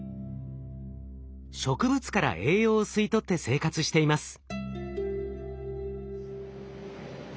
植物から栄養を吸い取って生活しています。